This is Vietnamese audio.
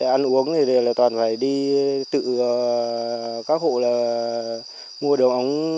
ăn uống thì toàn phải đi tự các hộ là mua đường ống